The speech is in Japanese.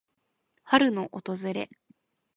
春の訪れ。